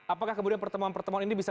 apakah kemudian pertemuan pertemuan ini bisa